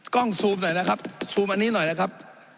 ซูมหน่อยนะครับซูมอันนี้หน่อยนะครับ